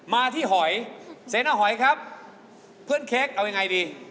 มาที่หอยเซนเอาหอยครับเพื่อนเค้กเอายังไงดี